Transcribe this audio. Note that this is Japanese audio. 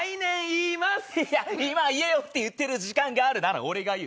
いや今言えよ！って言ってる時間があるなら俺が言う。